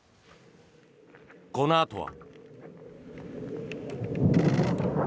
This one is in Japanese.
このあとは。